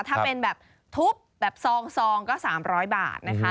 ถ้าเป็นแบบทุบแบบซองก็๓๐๐บาทนะคะ